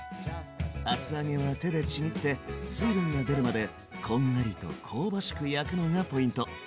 厚揚げは手でちぎって水分が出るまでこんがりと香ばしく焼くのがポイント。